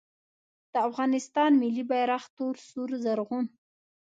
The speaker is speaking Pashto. د افغانستان ملي بیرغ تور سور زرغون